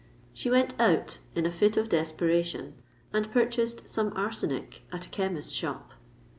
She went out in a fit of desperation, and purchased some arsenic at a chemist's shop.